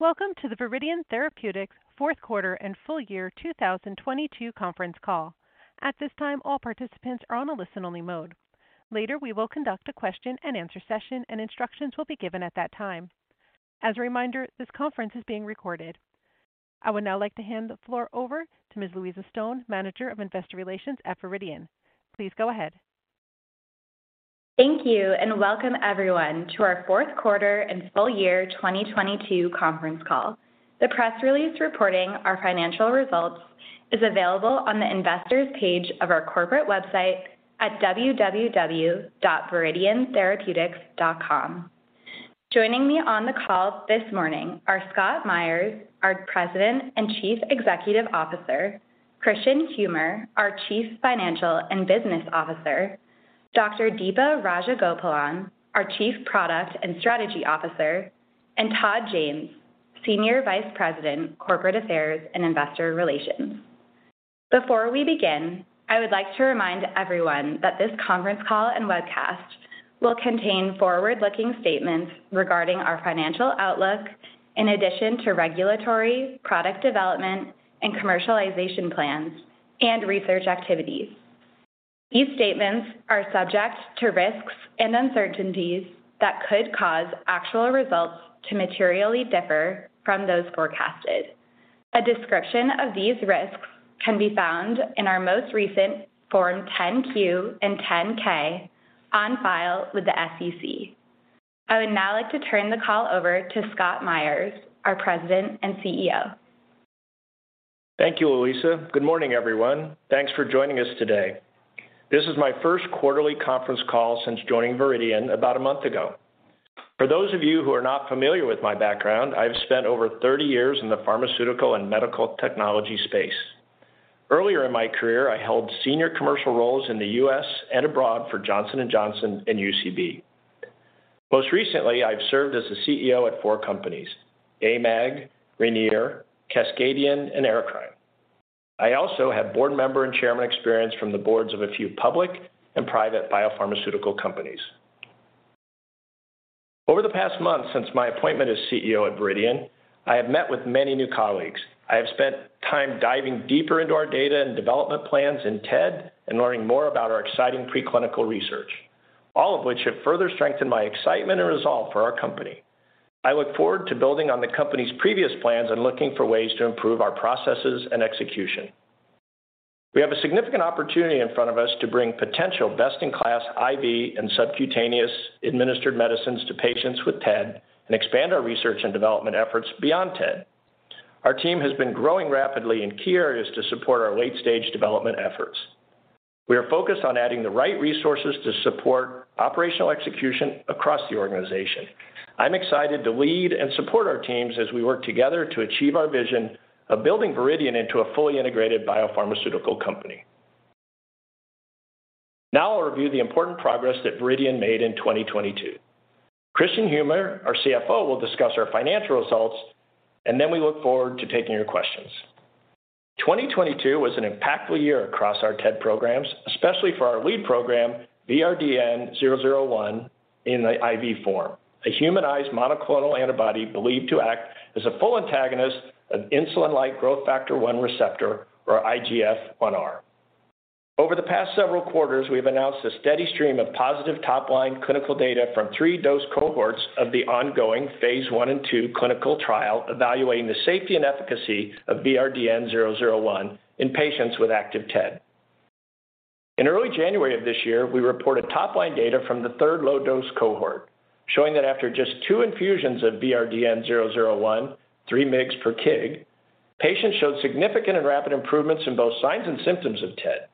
Welcome to the Viridian Therapeutics fourth quarter and full year 2022 conference call. At this time, all participants are on a listen-only mode. Later, we will conduct a question-and-answer session. Instructions will be given at that time. As a reminder, this conference is being recorded. I would now like to hand the floor over to Ms. Louisa Stone, Manager of Investor Relations at Viridian. Please go ahead. Thank you, and welcome everyone to our fourth quarter and full year 2022 conference call. The press release reporting our financial results is available on the investors page of our corporate website at www.viridiantherapeutics.com. Joining me on the call this morning are Scott Myers, our President and Chief Executive Officer, Kristian Humer, our Chief Financial and Business Officer, Dr. Deepa Rajagopalan, our Chief Product and Strategy Officer, and Todd James, Senior Vice President, Corporate Affairs and Investor Relations. Before we begin, I would like to remind everyone that this conference call and webcast will contain forward-looking statements regarding our financial outlook in addition to regulatory, product development, and commercialization plans and research activities. These statements are subject to risks and uncertainties that could cause actual results to materially differ from those forecasted. A description of these risks can be found in our most recent Form 10-Q and 10-K on file with the SEC. I would now like to turn the call over to Scott Myers, our President and CEO. Thank you, Louisa. Good morning, everyone. Thanks for joining us today. This is my first quarterly conference call since joining Viridian about a month ago. For those of you who are not familiar with my background, I've spent over 30 years in the pharmaceutical and medical technology space. Earlier in my career, I held senior commercial roles in the U.S. and abroad for Johnson & Johnson and UCB. Most recently, I've served as a CEO at four companies, AMAG, Rainier, Cascadian, and Aerocrine. I also have board member and chairman experience from the boards of a few public and private biopharmaceutical companies. Over the past month since my appointment as CEO at Viridian, I have met with many new colleagues. I have spent time diving deeper into our data and development plans in TED and learning more about our exciting preclinical research, all of which have further strengthened my excitement and resolve for our company. I look forward to building on the company's previous plans and looking for ways to improve our processes and execution. We have a significant opportunity in front of us to bring potential best-in-class IV and subcutaneous administered medicines to patients with TED and expand our research and development efforts beyond TED. Our team has been growing rapidly in key areas to support our late-stage development efforts. We are focused on adding the right resources to support operational execution across the organization. I'm excited to lead and support our teams as we work together to achieve our vision of building Viridian into a fully integrated biopharmaceutical company. I'll review the important progress that Viridian made in 2022. Kristian Humer, our CFO, will discuss our financial results. We look forward to taking your questions. 2022 was an impactful year across our TED programs, especially for our lead program, VRDN-001 in the IV form, a humanized monoclonal antibody believed to act as a full antagonist of insulin-like growth factor 1 receptor, or IGF-1R. Over the past several quarters, we've announced a steady stream of positive top-line clinical data from three dose cohorts of the ongoing Phase 1 and 2 clinical trial evaluating the safety and efficacy of VRDN-001 in patients with active TED. In early January of this year, we reported top-line data from the third low-dose cohort showing that after just two infusions of VRDN-001, 3 mgs per kg, patients showed significant and rapid improvements in both signs and symptoms of TED.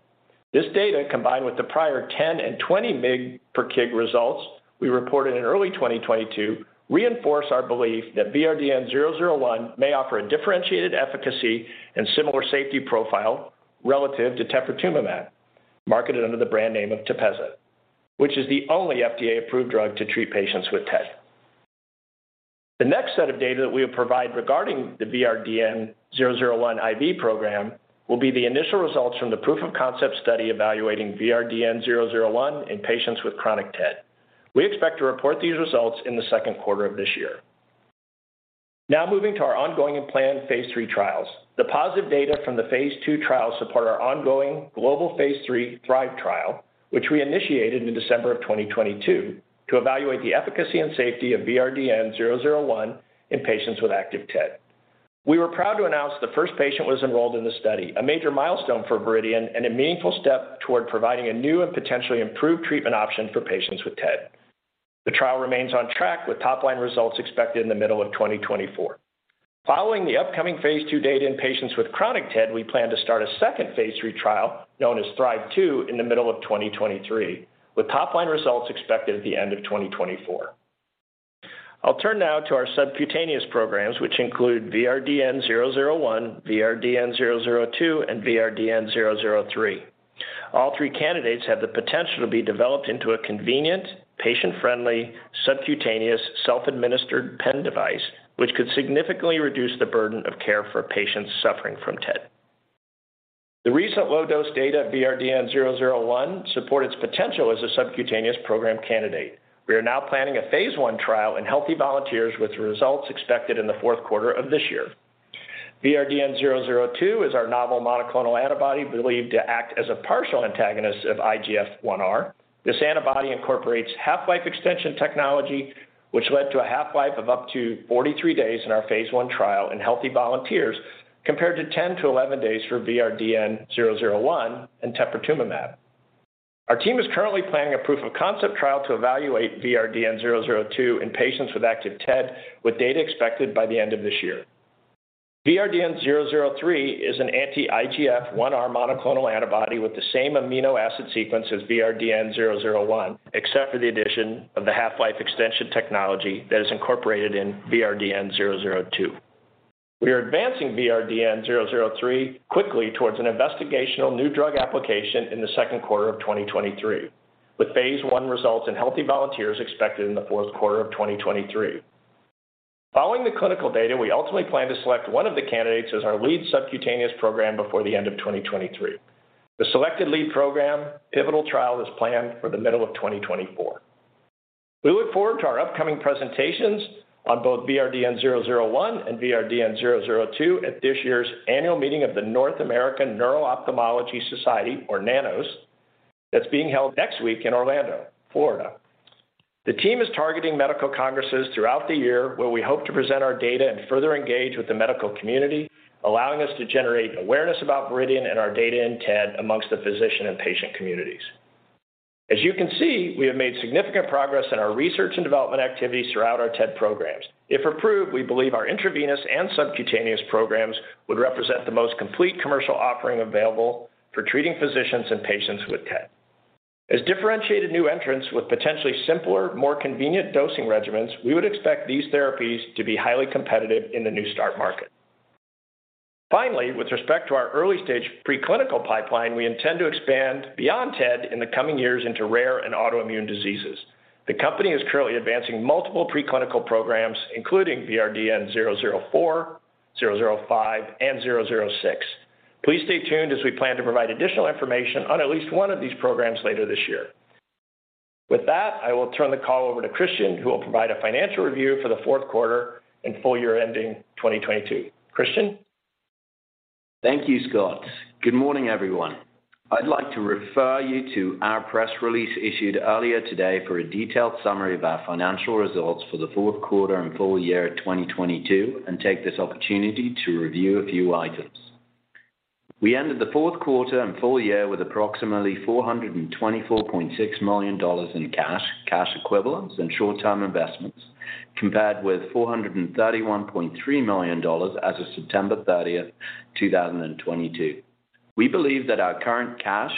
This data, combined with the prior 10 mg per kg and 20 mg per kg results we reported in early 2022, reinforce our belief that VRDN-001 may offer a differentiated efficacy and similar safety profile relative to teprotumumab, marketed under the brand name of Tepezza, which is the only FDA-approved drug to treat patients with TED. The next set of data that we will provide regarding the VRDN-001 IV program will be the initial results from the proof of concept study evaluating VRDN-001 in patients with chronic TED. We expect to report these results in the second quarter of this year. Moving to our ongoing and planned Phase 3 trials. The positive data from the Phase 2 trials support our ongoing global Phase 3 THRIVE trial, which we initiated in December of 2022 to evaluate the efficacy and safety of VRDN-001 in patients with active TED. We were proud to announce the first patient was enrolled in the study, a major milestone for Viridian and a meaningful step toward providing a new and potentially improved treatment option for patients with TED. The trial remains on track with top-line results expected in the middle of 2024. Following the upcoming Phase 2 data in patients with chronic TED, we plan to start a second Phase 3 trial known as THRIVE-2 in the middle of 2023, with top-line results expected at the end of 2024. I'll turn now to our subcutaneous programs, which include VRDN-001, VRDN-002, and VRDN-003. All three candidates have the potential to be developed into a convenient, patient-friendly, subcutaneous, self-administered pen device, which could significantly reduce the burden of care for patients suffering from TED. The recent low dose data of VRDN-001 support its potential as a subcutaneous program candidate. We are now planning a Phase 1 trial in healthy volunteers with results expected in the fourth quarter of this year. VRDN-002 is our novel monoclonal antibody believed to act as a partial antagonist of IGF-1R. This antibody incorporates half-life extension technology, which led to 1/2-life of up to 43 days in our Phase 1 trial in healthy volunteers, compared to 10 days-11 days for VRDN-001 and teprotumumab. Our team is currently planning a proof of concept trial to evaluate VRDN-002 in patients with active TED, with data expected by the end of this year. VRDN-003 is an anti-IGF-1R monoclonal antibody with the same amino acid sequence as VRDN-001, except for the addition of the half-life extension technology that is incorporated in VRDN-002. We are advancing VRDN-003 quickly towards an Investigational New Drug application in the second quarter of 2023, with Phase 1 results in healthy volunteers expected in the fourth quarter of 2023. Following the clinical data, we ultimately plan to select one of the candidates as our lead subcutaneous program before the end of 2023. The selected lead program pivotal trial is planned for the middle of 2024. We look forward to our upcoming presentations on both VRDN-001 and VRDN-002 at this year's annual meeting of the North American Neuro-Ophthalmology Society, or NANOS, that's being held next week in Orlando, Florida. The team is targeting medical congresses throughout the year where we hope to present our data and further engage with the medical community, allowing us to generate awareness about Viridian and our data in TED amongst the physician and patient communities. As you can see, we have made significant progress in our research and development activities throughout our TED programs. If approved, we believe our intravenous and subcutaneous programs would represent the most complete commercial offering available for treating physicians and patients with TED. As differentiated new entrants with potentially simpler, more convenient dosing regimens, we would expect these therapies to be highly competitive in the new start market. With respect to our early-stage preclinical pipeline, we intend to expand beyond TED in the coming years into rare and autoimmune diseases. The company is currently advancing multiple preclinical programs, including VRDN-004, 005, and 006. Please stay tuned as we plan to provide additional information on at least one of these programs later this year. With that, I will turn the call over to Kristian, who will provide a financial review for the fourth quarter and full year ending 2022. Kristian. Thank you, Scott. Good morning, everyone. I'd like to refer you to our press release issued earlier today for a detailed summary of our financial results for the fourth quarter and full year 2022 and take this opportunity to review a few items. We ended the fourth quarter and full year with approximately $424.6 million in cash equivalents and short-term investments, compared with $431.3 million as of September 30, 2022. We believe that our current cash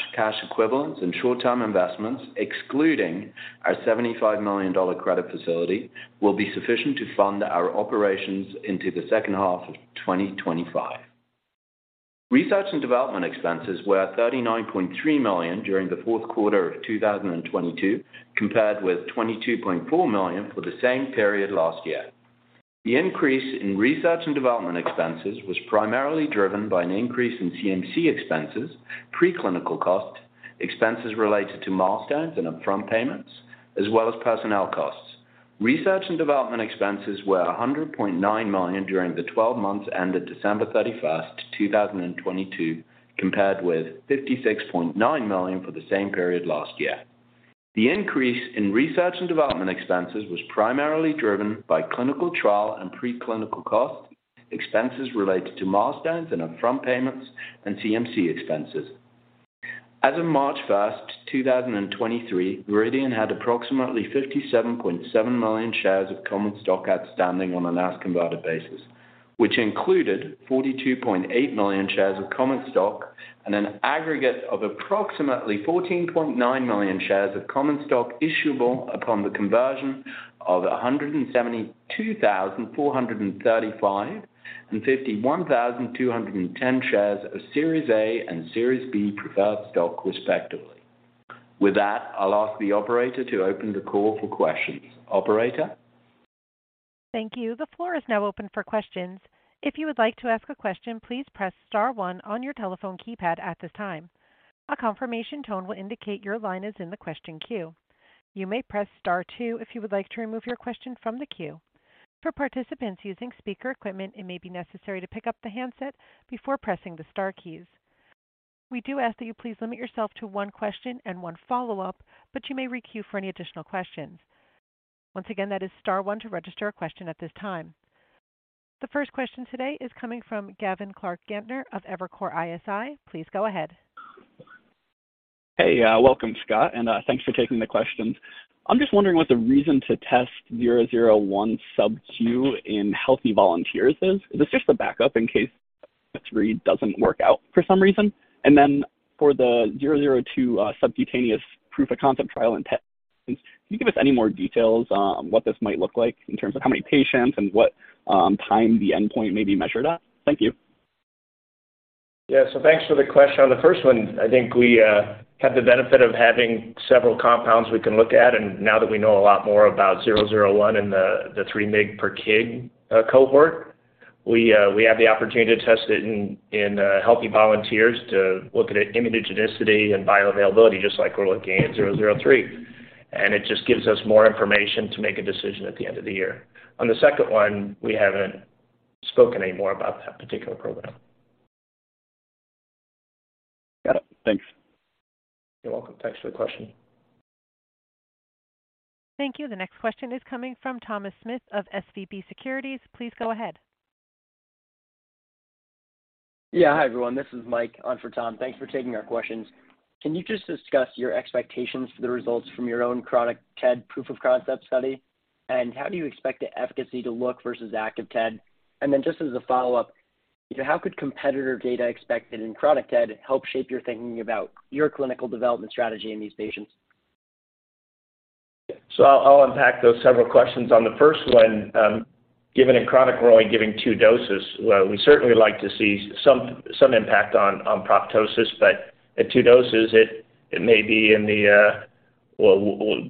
equivalents and short-term investments, excluding our $75 million credit facility, will be sufficient to fund our operations into the second half of 2025. Research and development expenses were $39.3 million during the fourth quarter of 2022, compared with $22.4 million for the same period last year. The increase in research and development expenses was primarily driven by an increase in CMC expenses, preclinical costs, expenses related to milestones and upfront payments, as well as personnel costs. Research and development expenses were $100.9 million during the 12 months ended December 31, 2022, compared with $56.9 million for the same period last year. The increase in research and development expenses was primarily driven by clinical trial and preclinical costs, expenses related to milestones and upfront payments, and CMC expenses. As of March 1st, 2023, Viridian had approximately 57.7 million shares of common stock outstanding on a last converted basis, which included 42.8 million shares of common stock and an aggregate of approximately 14.9 million shares of common stock issuable upon the conversion of 172,435 and 51,210 shares of Series A and Series B preferred stock, respectively. With that, I'll ask the operator to open the call for questions. Operator? Thank you. The floor is now open for questions. If you would like to ask a question, please press star one on your telephone keypad at this time. A confirmation tone will indicate your line is in the question queue. You may press star two if you would like to remove your question from the queue. For participants using speaker equipment, it may be necessary to pick up the handset before pressing the star keys. We do ask that you please limit yourself to one question and one follow-up, but you may re-queue for any additional questions. Once again, that is star one to register a question at this time. The first question today is coming from Gavin Clark-Gartner of Evercore ISI. Please go ahead. Hey. Welcome, Scott, and thanks for taking the questions. I'm just wondering what the reason to test VRDN-001 subQ in healthy volunteers is. Is this just a backup in case three doesn't work out for some reason? For the VRDN-002, subcutaneous proof of concept trial in TED, can you give us any more details on what this might look like in terms of how many patients and what time the endpoint may be measured at? Thank you. Yeah. Thanks for the question. On the first one, I think we have the benefit of having several compounds we can look at, now that we know a lot more about 001 and the 3 mg per kg cohort. We have the opportunity to test it in healthy volunteers to look at immunogenicity and bioavailability, just like we're looking at 003. It just gives us more information to make a decision at the end of the year. On the second one, we haven't spoken any more about that particular program. Got it. Thanks. You're welcome. Thanks for the question. Thank you. The next question is coming from Thomas Smith of SVB Securities. Please go ahead. Yeah. Hi, everyone. This is Mike on for Tom. Thanks for taking our questions. Can you just discuss your expectations for the results from your own chronic TED proof of concept study? How do you expect the efficacy to look versus active TED? Just as a follow-up, how could competitor data expected in chronic TED help shape your thinking about your clinical development strategy in these patients? I'll unpack those several questions. On the first one, given in chronic, we're only giving two doses. Well, we certainly like to see some impact on proptosis, but at two doses it may be in the well,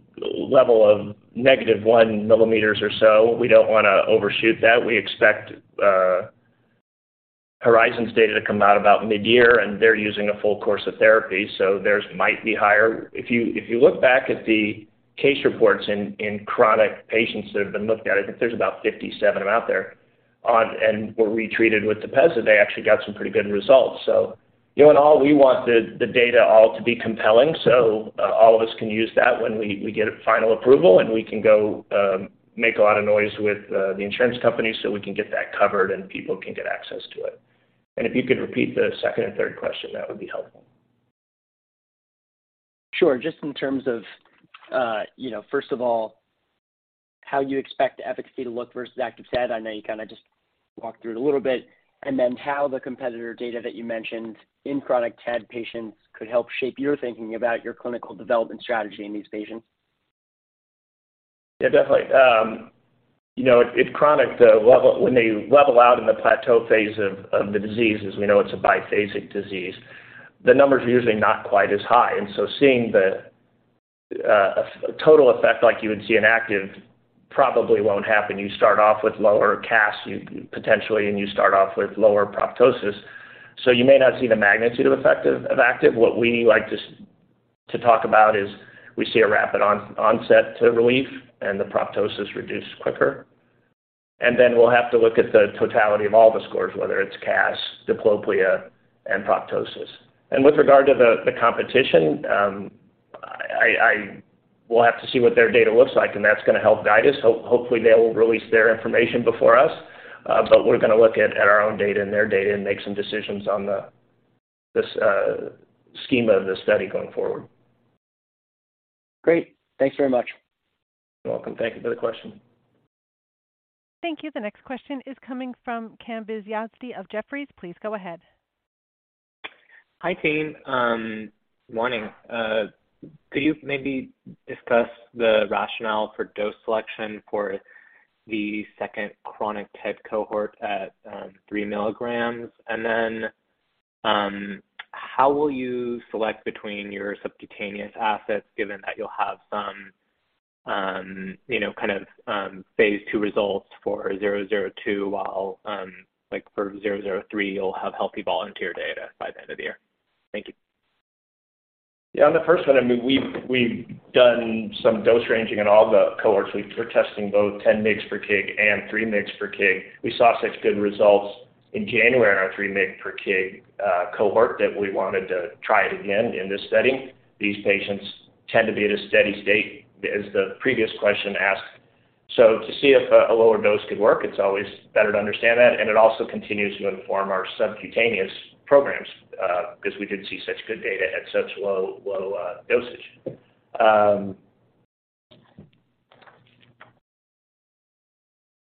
level of negative one millimeters or so. We don't wanna overshoot that. We expect Horizon's data to come out about mid-year, and they're using a full course of therapy, so theirs might be higher. If you look back at the case reports in chronic patients that have been looked at, I think there's about 57 of them out there, and were retreated with Tepezza, they actually got some pretty good results. You know, in all, we want the data all to be compelling, so all of us can use that when we get final approval and we can go, make a lot of noise with the insurance company so we can get that covered and people can get access to it. If you could repeat the second and third question, that would be helpful. Sure. Just in terms of, you know, first of all, how you expect the efficacy to look versus active TED. I know you kinda just walked through it a little bit. How the competitor data that you mentioned in chronic TED patients could help shape your thinking about your clinical development strategy in these patients. Yeah, definitely. You know, in chronic, when they level out in the plateau phase of the disease, as we know it's a biphasic disease, the numbers are usually not quite as high. Seeing the, a total effect like you would see in active probably won't happen. You start off with lower CAS, potentially, and you start off with lower proptosis. You may not see the magnitude effect of active. What we like to talk about is we see a rapid on-onset to relief and the proptosis reduced quicker. Then we'll have to look at the totality of all the scores, whether it's CAS, diplopia, and proptosis. With regard to the competition, we'll have to see what their data looks like, and that's gonna help guide us. Hopefully, they will release their information before us. We're gonna look at our own data and their data and make some decisions on this scheme of the study going forward. Great. Thanks very much. You're welcome. Thank you for the question. Thank you. The next question is coming from Kambiz Yazdi of Jefferies. Please go ahead. Hi, team. Morning. Could you maybe discuss the rationale for dose selection for the second chronic TED cohort at 3 mg? How will you select between your subcutaneous assets given that you'll have some, you know, kind of, Phase 2 results for VRDN-002, while, like for VRDN-003, you'll have healthy volunteer data by the end of the year? Thank you. On the first one, I mean, we've done some dose ranging in all the cohorts. We're testing both 10 mg per kg and 3 mg per kg. We saw such good results in January in our 3 mg per kg cohort that we wanted to try it again in this study. These patients tend to be at a steady state as the previous question asked. To see if a lower dose could work, it's always better to understand that. It also continues to inform our subcutaneous programs 'cause we did see such good data at such low dosage.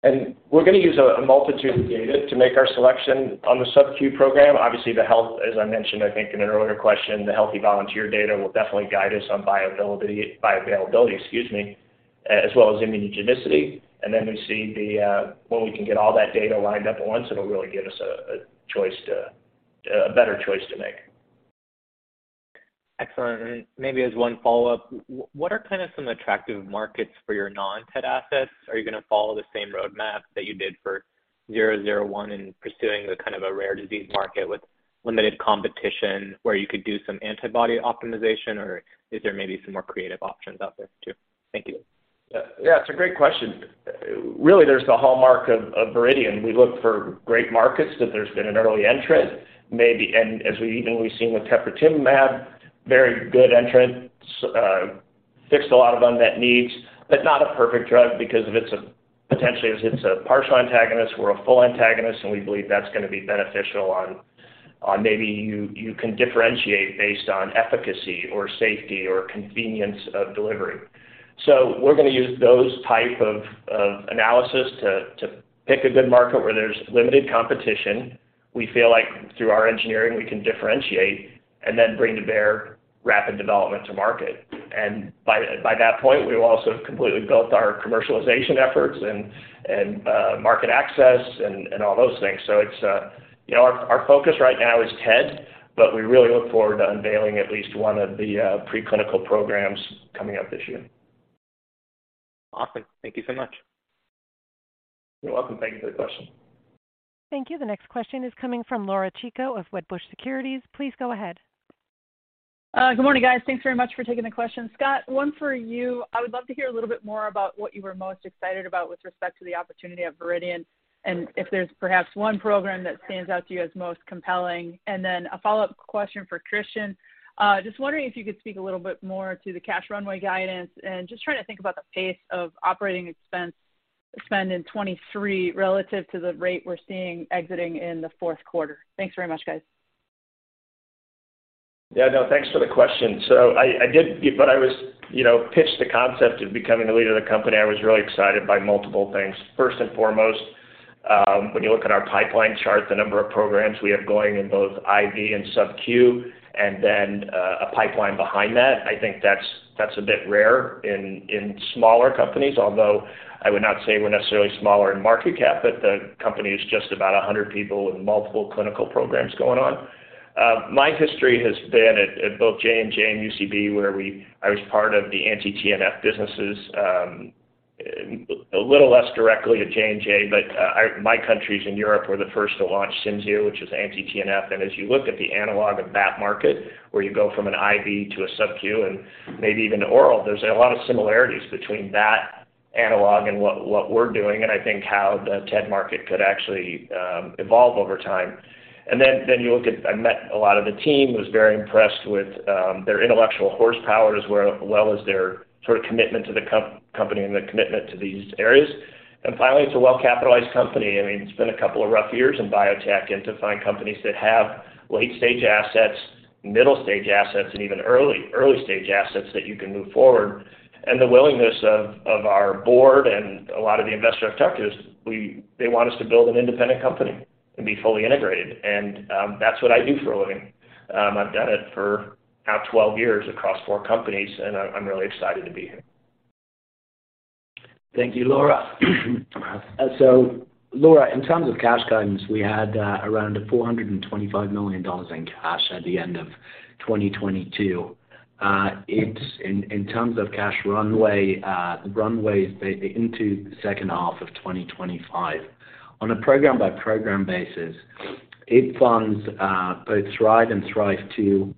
We're gonna use a multitude of data to make our selection on the subQ program. Obviously, the health, as I mentioned, I think in an earlier question, the healthy volunteer data will definitely guide us on bioavailability, excuse me, as well as immunogenicity. Then we see the, when we can get all that data lined up at once, it'll really give us a choice to, a better choice to make. Excellent. Maybe as one follow-up, what are kind of some attractive markets for your non-TED assets? Are you gonna follow the same roadmap that you did for zero zero one in pursuing the kind of a rare disease market with limited competition where you could do some antibody optimization, or is there maybe some more creative options out there too? Thank you. Yeah, it's a great question. Really, there's the hallmark of Viridian's. We look for great markets that there's been an early entrant, maybe and as we even we've seen with Tmab, very good entrants, fixed a lot of unmet needs, but not a perfect drug because of its potentially it's a partial antagonist. We're a full antagonist, and we believe that's gonna be beneficial on maybe you can differentiate based on efficacy or safety or convenience of delivery. We're gonna use those type of analysis to pick a good market where there's limited competition. By that point, we will also have completely built our commercialization efforts and market access and all those things. It's... You know, our focus right now is TED, but we really look forward to unveiling at least one of the preclinical programs coming up this year. Awesome. Thank you so much. You're welcome. Thank you for the question. Thank you. The next question is coming from Laura Chico of Wedbush Securities. Please go ahead. Good morning, guys. Thanks very much for taking the question. Scott, one for you. I would love to hear a little bit more about what you were most excited about with respect to the opportunity at Viridian, and if there's perhaps one program that stands out to you as most compelling. Then a follow-up question for Kristian. Just wondering if you could speak a little bit more to the cash runway guidance and just trying to think about the pace of operating expense spend in 2023 relative to the rate we're seeing exiting in the fourth quarter. Thanks very much, guys. Yeah, no, thanks for the question. I was, you know, pitched the concept of becoming the leader of the company. I was really excited by multiple things. First and foremost, when you look at our pipeline chart, the number of programs we have going in both IV and subQ, then a pipeline behind that, I think that's a bit rare in smaller companies. I would not say we're necessarily smaller in market cap, the company is just about 100 people with multiple clinical programs going on. My history has been at both J&J and UCB, where I was part of the anti-TNF businesses, a little less directly at J&J, my countries in Europe were the first to launch Cimzia, which is anti-TNF. As you look at the analog of that market, where you go from an IV to a subQ and maybe even oral, there's a lot of similarities between that analog and what we're doing, and I think how the TED market could actually evolve over time. I met a lot of the team, was very impressed with their intellectual horsepower, as well as their sort of commitment to the company and their commitment to these areas. Finally, it's a well-capitalized company. I mean, it's been a couple of rough years in biotech, and to find companies that have late-stage assets, middle-stage assets, and even early-stage assets that you can move forward. The willingness of our board and a lot of the investor objectives, they want us to build an independent company and be fully integrated. That's what I do for a living. I've done it for now 12 years across four companies, and I'm really excited to be here. Thank you, Laura. Laura, in terms of cash guidance, we had around $425 million in cash at the end of 2022. In terms of cash runway is into the second half of 2025. On a program-by-program basis, it funds both THRIVE and THRIVE-2,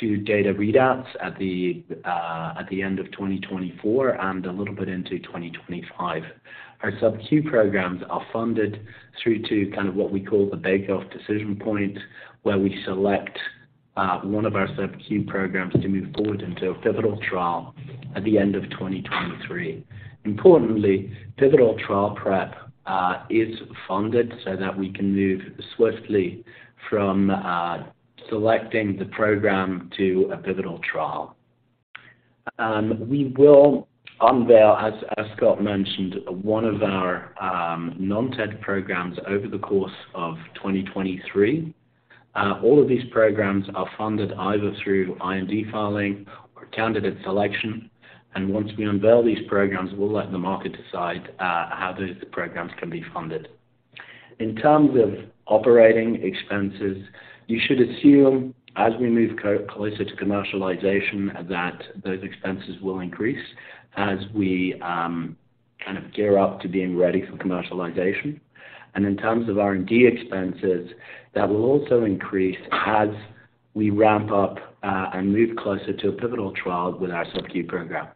two data readouts at the end of 2024 and a little bit into 2025. Our subQ programs are funded through to kind of what we call the bake-off decision point, where we select one of our subQ programs to move forward into a pivotal trial at the end of 2023. Importantly, pivotal trial prep is funded so that we can move swiftly from selecting the program to a pivotal trial. We will unveil, as Scott mentioned, one of our non-TED programs over the course of 2023. All of these programs are funded either through IND filing or candidate selection. Once we unveil these programs, we'll let the market decide how those programs can be funded. In terms of operating expenses, you should assume as we move closer to commercialization, that those expenses will increase as we kind of gear up to being ready for commercialization. In terms of R&D expenses, that will also increase as we ramp up and move closer to a pivotal trial with our subQ program.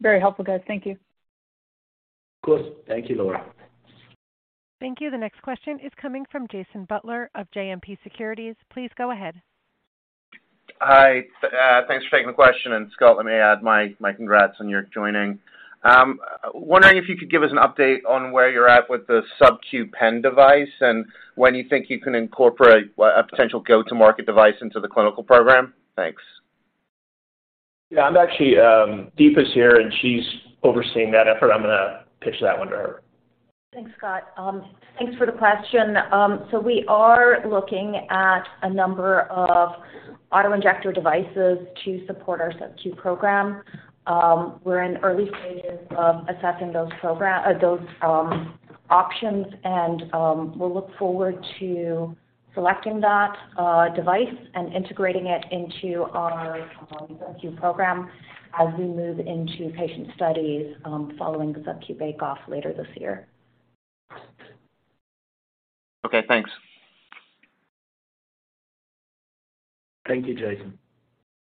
Very helpful, guys. Thank you. Of course. Thank you, Laura. Thank you. The next question is coming from Jason Butler of JMP Securities. Please go ahead. Hi. Thanks for taking the question. Scott, let me add my congrats on your joining. Wondering if you could give us an update on where you're at with the subQ pen device and when you think you can incorporate a potential go-to-market device into the clinical program. Thanks. Actually Deepa's here, and she's overseeing that effort. I'm gonna pitch that one to her. Thanks, Scott. Thanks for the question. We are looking at a number of auto-injector devices to support our subQ program. We're in early stages of assessing those options, and we'll look forward to selecting that device and integrating it into our subQ program as we move into patient studies, following the subQ bake-off later this year. Okay, thanks. Thank you, Jason.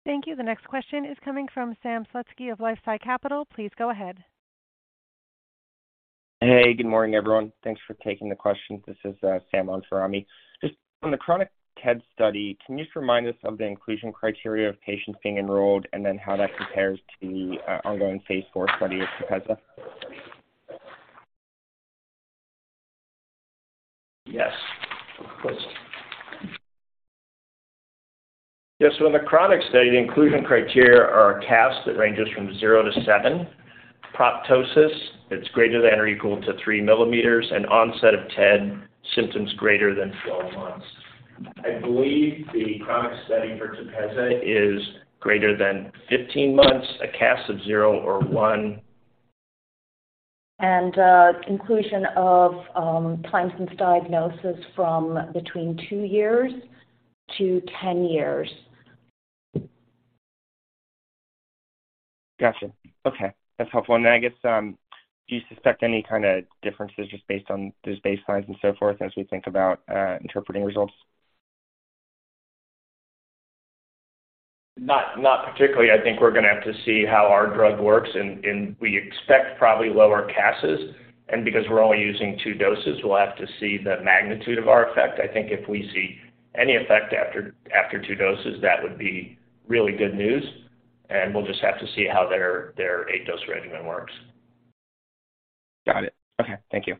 Thank you. The next question is coming from Sam Slutsky of LifeSci Capital. Please go ahead. Hey, good morning, everyone. Thanks for taking the question. This is Sam on for Ami. Just on the chronic TED study, can you just remind us of the inclusion criteria of patients being enrolled and then how that compares to the ongoing phase four study of Tepezza? Yes, of course. Yes. In the chronic study, the inclusion criteria are a CAS that ranges from 0 to 7, proptosis that's greater than or equal to 3 millimeters, and onset of TED symptoms greater than 12 months. I believe the chronic study for Tepezza is greater than 15 months, a CAS of 0 or 1. Inclusion of time since diagnosis from between 2-10 years. Gotcha. Okay, that's helpful. I guess, do you suspect any kind of differences just based on those baselines and so forth as we think about interpreting results? Not particularly. I think we're gonna have to see how our drug works and we expect probably lower CASs. Because we're only using two doses, we'll have to see the magnitude of our effect. I think if we see any effect after two doses, that would be really good news. We'll just have to see how their 8-dose regimen works. Got it. Okay. Thank you.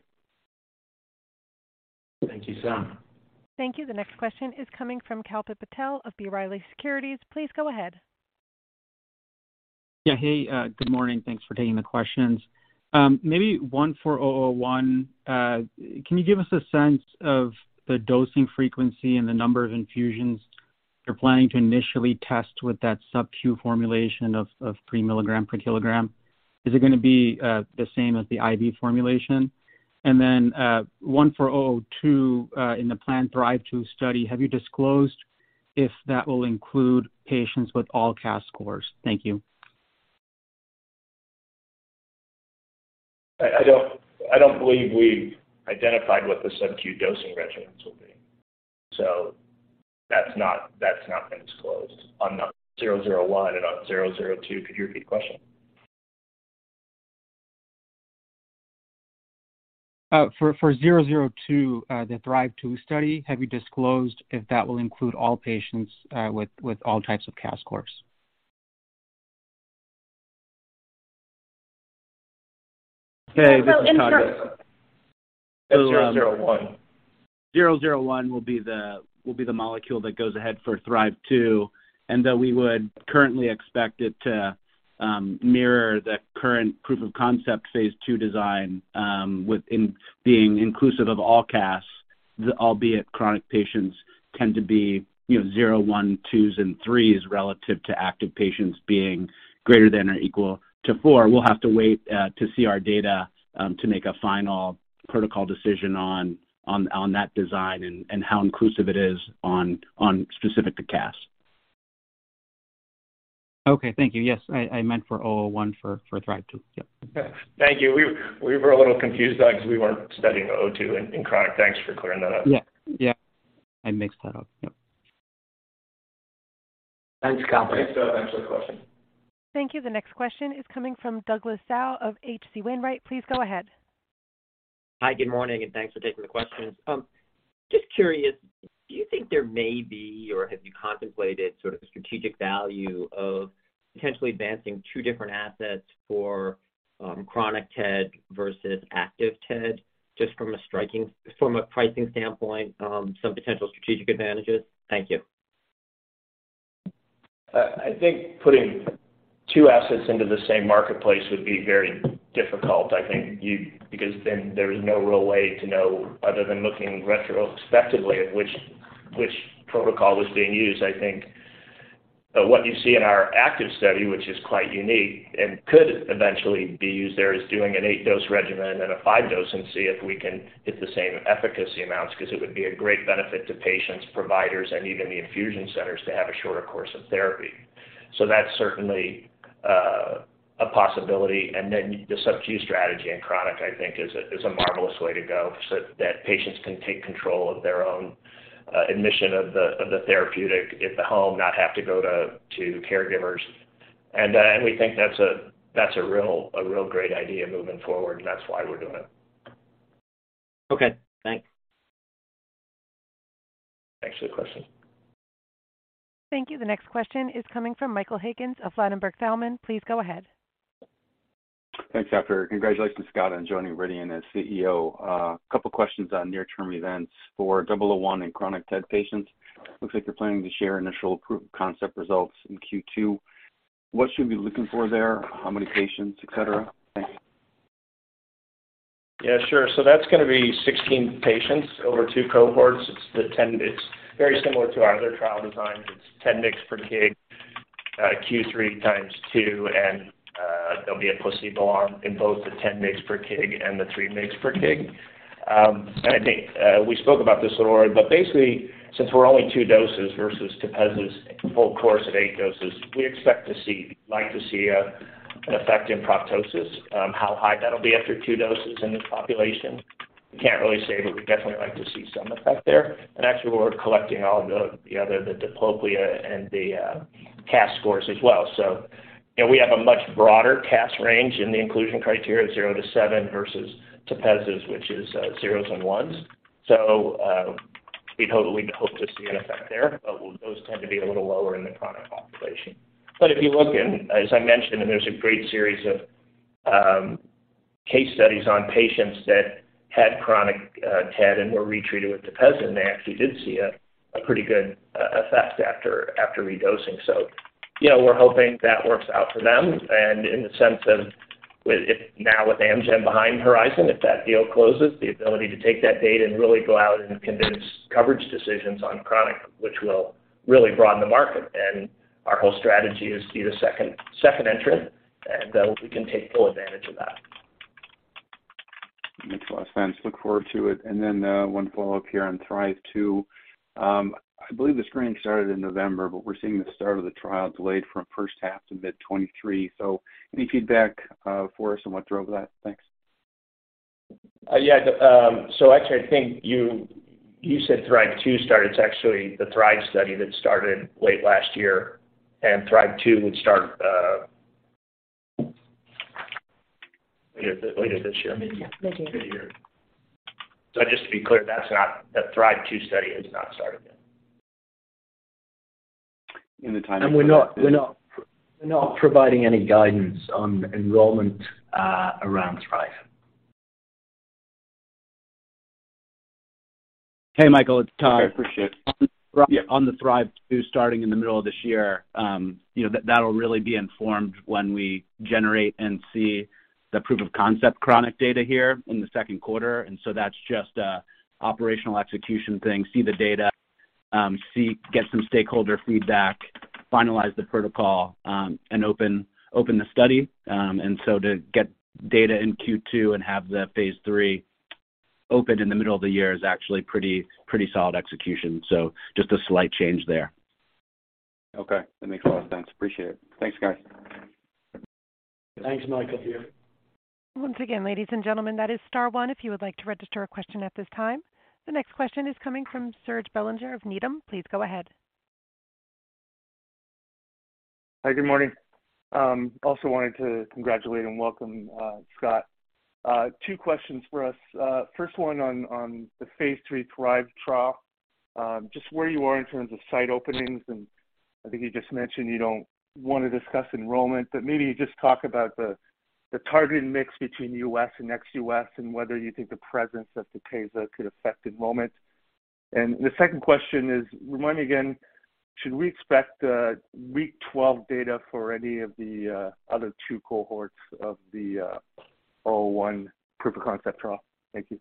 Thank you, Sam. Thank you. The next question is coming from Kalpit Patel of B. Riley Securities. Please go ahead. Yeah. Hey, good morning. Thanks for taking the questions. Maybe one for VRDN-001. Can you give us a sense of the dosing frequency and the number of infusions you're planning to initially test with that subQ formulation of 3 mg per kg? Is it gonna be the same as the IV formulation? Then, one for VRDN-002, in the planned THRIVE-2 study. Have you disclosed if that will include patients with all CAS scores? Thank you. I don't believe we've identified what the subQ dosing regimens will be. That's not, that's not been disclosed. On 001 and on 002, could you repeat the question? For VRDN-002, the THRIVE-2 study, have you disclosed if that will include all patients, with all types of CAS scores? Hey, this is Todd. Also in the- 001 001 will be the molecule that goes ahead for THRIVE-2, that we would currently expect it to mirror the current proof of concept Phase 2 design within being inclusive of all CAS. Albeit chronic patients tend to be, you know, zero, one, two and three relative to active patients being greater than or equal to four. We'll have to wait to see our data to make a final protocol decision on that design and how inclusive it is on specific to CAS. Okay. Thank you. Yes. I meant for 001 for THRIVE-2. Yep. Thank you. We were a little confused on it because we weren't studying VRDN-002 in chronic. Thanks for clearing that up. Yeah. Yeah. I mixed that up. Yep. Thanks, Kalpit. Thank you. The next question is coming from Douglas Tsao of H.C. Wainwright. Please go ahead. Hi, good morning, and thanks for taking the questions. Just curious, do you think there may be or have you contemplated sort of the strategic value of potentially advancing two different assets for, chronic TED versus active TED, just from a pricing standpoint, some potential strategic advantages? Thank you. I think putting two assets into the same marketplace would be very difficult. Because then there is no real way to know other than looking retrospectively at which protocol was being used. I think what you see in our active study, which is quite unique and could eventually be used there, is doing an 8-dose regimen and a 5-dose and see if we can get the same efficacy amounts, 'cause it would be a great benefit to patients, providers and even the infusion centers to have a shorter course of therapy. That's certainly a possibility. Then the subQ strategy in chronic, I think, is a marvelous way to go so that patients can take control of their own admission of the therapeutic at the home, not have to go to caregivers. We think that's a real great idea moving forward, and that's why we're doing it. Okay, thanks. Thanks for the question. Thank you. The next question is coming from Michael Higgins of Ladenburg Thalmann. Please go ahead. Thanks, operator. Congratulations, Scott, on joining Viridian as CEO. A couple questions on near-term events for double oh one in chronic TED patients. Looks like you're planning to share initial proof of concept results in Q2. What should we be looking for there? How many patients, et cetera? Thanks. Yeah, sure. That's gonna be 16 patients over two cohorts. It's very similar to our other trial designs. It's 10 mg per kg, Q3 times two, and there'll be a placebo arm in both the 10 mg per kg and the 3 mg per kg. I think we spoke about this already, but basically, since we're only 2-doses versus Tepezza's full course at 8-doses, we like to see an effect in proptosis. How high that'll be after 2-doses in this population, can't really say, but we'd definitely like to see some effect there. Actually, we're collecting all the other, the diplopia and the CAS scores as well. You know, we have a much broader CAS range in the inclusion criteria of 0-7 versus Tepezza's, which is 0s and 1s. We hope to see an effect there, but those tend to be a little lower in the chronic population. If you look in, as I mentioned, and there's a great series of case studies on patients that had chronic TED and were retreated with Tepezza, and they actually did see a pretty good effect after redosing. Yeah, we're hoping that works out for them. In the sense of if now with Amgen behind Horizon, if that deal closes, the ability to take that data and really go out and convince coverage decisions on chronic, which will really broaden the market. Our whole strategy is to be the second entrant, and we can take full advantage of that. Makes a lot of sense. Look forward to it. One follow-up here on THRIVE-2. I believe the screening started in November, we're seeing the start of the trial delayed from first half to mid-2023. Any feedback for us on what drove that? Thanks. Yeah. Actually I think you said THRIVE-2 started. It's actually the THRIVE study that started late last year, and THRIVE-2 would start. Later this year. Yeah, midyear. Midyear. just to be clear, the THRIVE-2 study has not started yet. In the time that- we're not providing any guidance on enrollment, around THRIVE. Hey, Michael, it's Todd. Okay. Appreciate it. On the THRIVE-2 starting in the middle of this year, you know, that'll really be informed when we generate and see the proof of concept chronic data here in the second quarter. That's just a operational execution thing. See the data, get some stakeholder feedback, finalize the protocol, and open the study. To get data in Q2 and have the Phase 3 open in the middle of the year is actually pretty solid execution. Just a slight change there. Okay, that makes a lot of sense. Appreciate it. Thanks, guys. Thanks, Michael. Once again, ladies and gentlemen, that is star one if you would like to register a question at this time. The next question is coming from Serge Belanger of Needham. Please go ahead. Hi, good morning. Also wanted to congratulate and welcome Scott. Two questions for us. First one on the Phase 3 THRIVE trial. Just where you are in terms of site openings, and I think you just mentioned you don't wanna discuss enrollment. Maybe you just talk about the targeting mix between U.S. and ex-U.S. And whether you think the presence of Tepezza could affect enrollment. The second question is, remind me again, should we expect week 12 data for any of the other two cohorts of the 001 proof of concept trial? Thank you.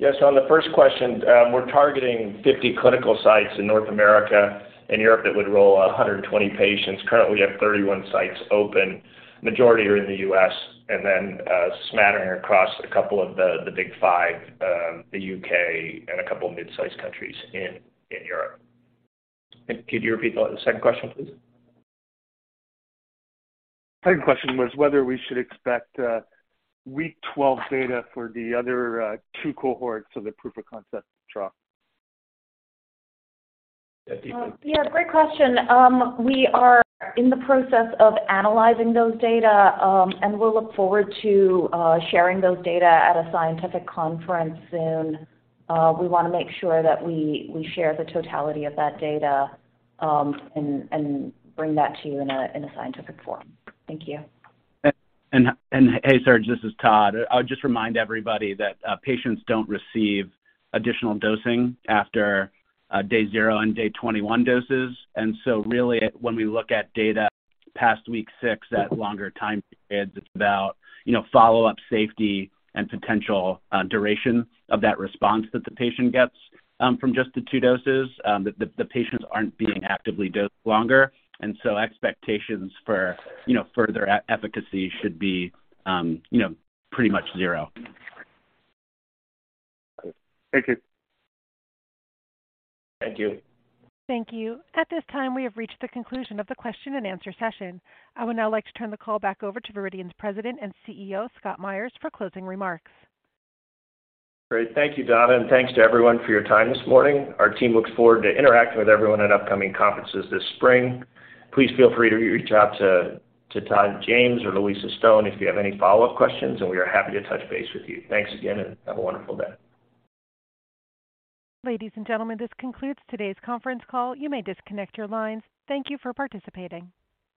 Yeah. On the first question, we're targeting 50 clinical sites in North America and Europe that would enroll 120 patients. Currently, we have 31 sites open. Majority are in the U.S. and then a smattering across a couple of the Big Five, the U.K. and a couple mid-sized countries in Europe. Could you repeat the second question, please? Second question was whether we should expect, week 12 data for the other, two cohorts of the proof of concept trial. Yeah, Deepa. Yeah, great question. We are in the process of analyzing those data, and we'll look forward to sharing those data at a scientific conference soon. We wanna make sure that we share the totality of that data, and bring that to you in a scientific form. Thank you. Hey, Serge, this is Todd. I would just remind everybody that patients don't receive additional dosing after day zero and day 21 doses. Really when we look at data past week six at longer time periods, it's about, you know, follow-up safety and potential duration of that respo-se that the patient gets from just the 2 doses. The patients aren't being actively dosed longer, expectations for, you know, further efficacy should be, you know, pretty much zero. Great. Thank you. Thank you. Thank you. At this time, we have reached the conclusion of the question-and-answer session. I would now like to turn the call back over to Viridian's President and CEO, Scott Myers, for closing remarks. Great. Thanks to everyone for your time this morning. Our team looks forward to interacting with everyone at upcoming conferences this spring. Please feel free to re-reach out to Todd James or Louisa Stone if you have any follow-up questions. We are happy to touch base with you. Thanks again. Have a wonderful day. Ladies and gentlemen, this concludes today's conference call. You may disconnect your lines. Thank you for participating.